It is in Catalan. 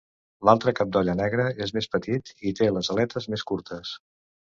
L'altre cap d'olla negre és més petit i té les aletes més curtes.